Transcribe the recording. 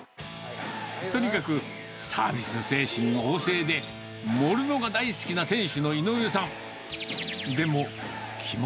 とにかく、サービス精神旺盛で、盛るのが大好きな店主の井上さん。